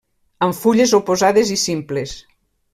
Amb fulles oposades i simples.